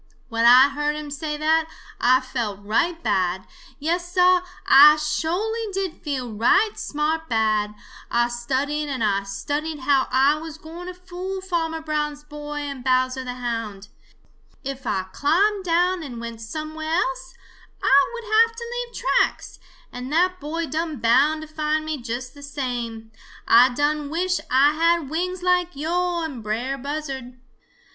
"When I heard him say that, Ah felt right bad. Yes, Sah, Ah sho'ly did feel right smart bad. Ah studied and Ah studied how Ah was gwine to fool Farmer Brown's boy and Bowser the Hound. If Ah climbed down and went somewhere else, Ah would have to leave tracks, and that boy done bound to find me just the same. Ah done wish Ah had wings like yo' and Brer Buzzard.